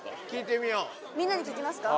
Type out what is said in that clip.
みんなに聞きますか？